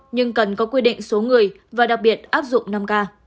nhưng cần có quy định số người và đặc biệt áp dụng năm k